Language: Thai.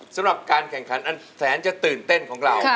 สำหรับการแข่งขันอันแสนจะตื่นเต้นของเรา